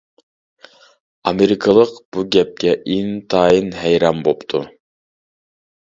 ئامېرىكىلىق بۇ گەپكە ئىنتايىن ھەيران بوپتۇ.